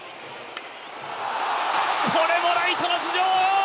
これもライトの頭上！